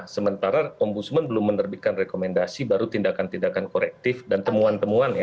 sementara ombudsman belum menerbitkan rekomendasi baru tindakan tindakan korektif dan temuan temuan ya